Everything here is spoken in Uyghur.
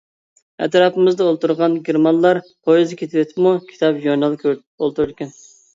ئەتراپىمىزدا ئولتۇرغان گېرمانلار پويىزدا كېتىۋېتىپمۇ كىتاب، ژۇرنال كۆرۈپ ئولتۇرىدىكەن.